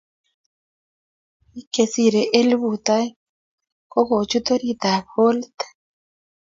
Bik che siri elput aeng kokochut orit ab holit